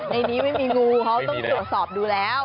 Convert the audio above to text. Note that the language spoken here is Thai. ในนี้ไม่มีงูเขาต้องตรวจสอบดูแล้ว